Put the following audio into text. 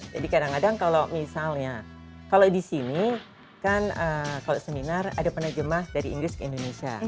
jadi kadang kadang kalau misalnya kalau di sini kan kalau seminar ada penerjemah dari inggris ke indonesia